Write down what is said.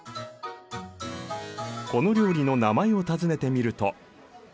この料理の名前を尋ねてみると。